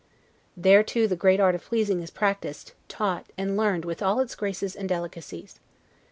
There too the great art of pleasing is practiced, taught, and learned with all its graces and delicacies.